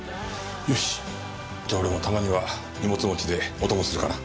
よしじゃあ俺もたまには荷物持ちでお供するかな。